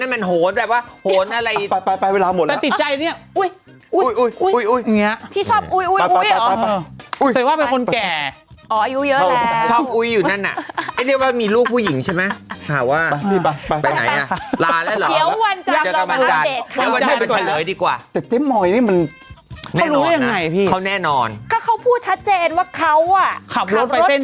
มันอาจจะเป็นคำเขียนของเขาก็ได้ให้มันดูมีรสชาติ